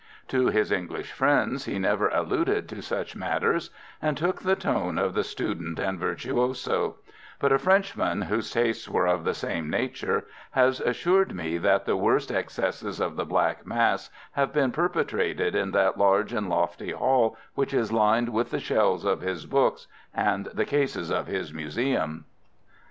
To his English friends he never alluded to such matters, and took the tone of the student and virtuoso; but a Frenchman whose tastes were of the same nature has assured me that the worst excesses of the black mass have been perpetrated in that large and lofty hall, which is lined with the shelves of his books, and the cases of his museum.